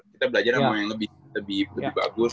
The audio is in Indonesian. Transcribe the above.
kita belajar sama yang lebih bagus